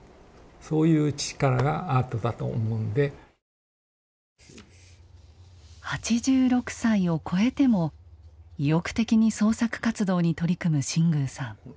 根源的な８６歳を超えても意欲的に創作活動に取り組む新宮さん。